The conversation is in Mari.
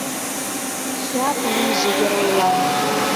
«Чап лийже геройлан!